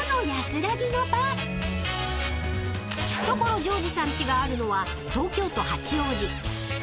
［所ジョージさんちがあるのは東京都八王子］